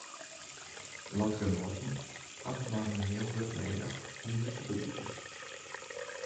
Lotgenoaten hawwe mar in heal wurd nedich om dy te begripen.